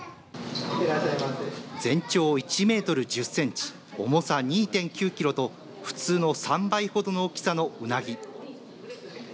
全長１メートル１０センチ重さ２．９キロと普通の３倍ほどの大きさのうなぎ。